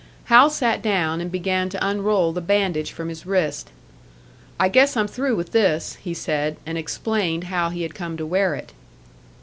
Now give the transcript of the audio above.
Hal sat down, and began to unroll the bandage from his wrist. "I guess I'm through with this," he said, and explained how he had come to wear it.